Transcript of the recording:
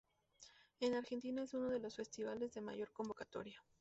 En Argentina es uno de los festivales de mayor convocatoria.